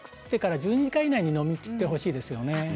１２時間以内に飲み切ってほしいですよね。